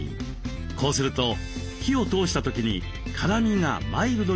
こうすると火を通した時に辛みがマイルドになるんだそうです。